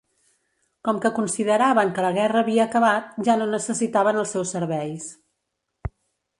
Com que consideraven que la guerra havia acabat, ja no necessitaven els seus serveis.